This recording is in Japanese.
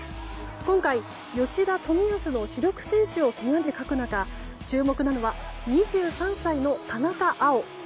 今回、吉田、冨安の主力選手をけがで欠く中注目なのは２３歳の田中碧。